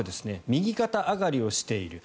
右肩上がりをしている。